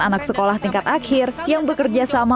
anak sekolah tingkat akhir yang bekerja sama